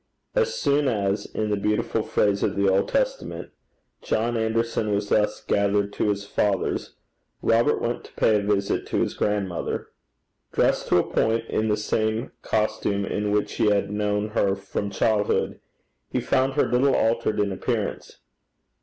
As soon as, in the beautiful phrase of the Old Testament, John Anderson was thus gathered to his fathers, Robert went to pay a visit to his grandmother. Dressed to a point in the same costume in which he had known her from childhood, he found her little altered in appearance.